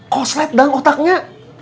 koslet bang otaknya